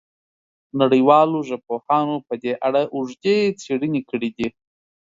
نړیوالو ژبپوهانو په دې اړه اوږدې څېړنې کړې دي.